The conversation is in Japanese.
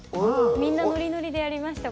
みんなノリノリでやりました。